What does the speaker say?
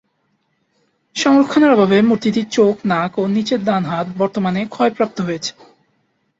সংরক্ষণের অভাবে মূর্তিটির চোখ, নাক ও নিচের ডান হাত বর্তমানে ক্ষয়প্রাপ্ত হয়েছে।